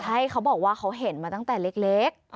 ใช่เขาบอกว่าเขาเห็นมาตั้งแต่เล็ก